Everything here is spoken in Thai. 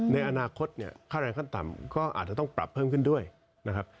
ในอนาคตเนี่ยค่าแรงขั้นต่ำก็อาจจะต้องปรับเพิ่มขึ้นด้วยนะครับ